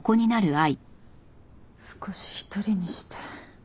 少し一人にして。